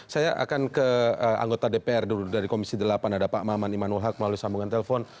saya akan ke anggota dpr dulu dari komisi delapan ada pak maman imanul haq melalui sambungan telepon